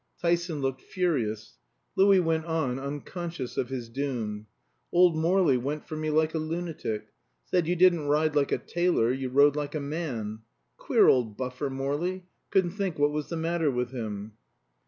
Tyson looked furious. Louis went on, unconscious of his doom. "Old Morley went for me like a lunatic said you didn't ride like a tailor, you rode like a man. Queer old buffer, Morley couldn't think what was the matter with him."